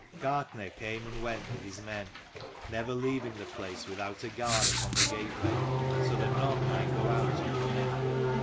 Gartnaidh came and went with his men, never leaving the place without a guard upon the gateway, so that none might go out or come in.